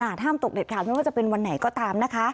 ห้ามตกเด็ดขาดไม่ว่าจะเป็นวันไหนก็ตามนะคะ